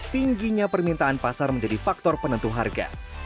tingginya permintaan pasar menjadi faktor penentu harga